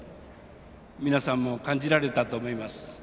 皆さんも感じられたと思います。